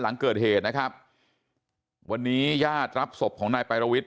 หลังเกิดเหตุนะครับวันนี้ญาติรับศพของนายปารวิทย